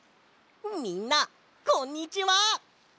みんなこんにちは。